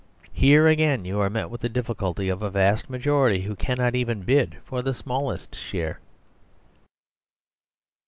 Here again you are met with the difficulty of a vast majority who cannot even bid for the smallest share.